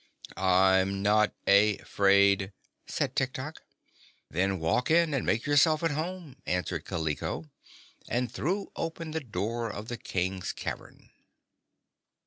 "I'm not a fraid," said Tiktok. "Then walk in and make yourself at home," answered Kaliko, and threw open the door of the King's cavern.